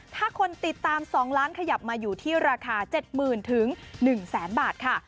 ถ้าคนติดตาม๒ล้านขยับมาอยู่ที่ราคา๗๐๐๐๑แสนบาทค่ะ